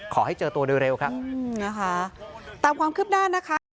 ขอให้เจอตัวโดยเร็วครับนะคะตามความคืบหน้านะคะ